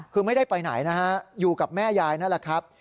คือไม่ได้ไปไหนนะฮะอยู่กับแม่ยายนั่นแหละครับ